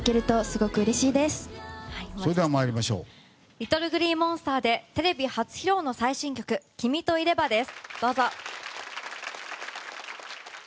ＬｉｔｔｌｅＧｌｅｅＭｏｎｓｔｅｒでテレビ初披露の最新曲「君といれば」です。